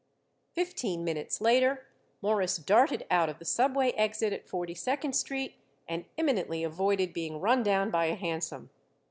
Fifteen minutes later Morris darted out of the subway exit at Forty second Street and imminently avoided being run down by a hansom.